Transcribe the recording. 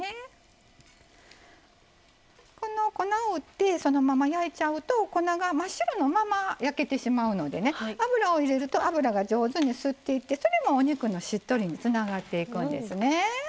粉を振ってそのまま焼いちゃうと粉が真っ白なまま焼けてしまうので油を入れると油が上手に吸っていってそれもお肉のしっとりにつながっていくんですね。